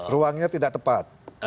ruangnya tidak tepat